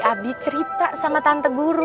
abi cerita sama tante guru